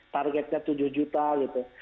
targetnya tujuh juta gitu